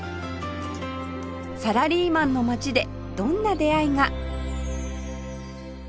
サラリーマンの街でどんな出会いが？